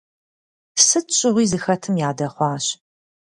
Сыт щыгъуи зыхэтым ядэхъуащ.